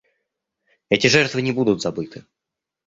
Эти жертвы не будут забыты.